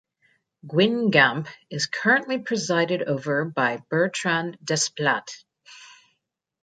Guingamp is currently presided over by Bertrand Desplat.